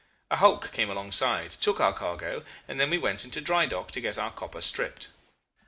A hulk came alongside, took our cargo, and then we went into dry dock to get our copper stripped.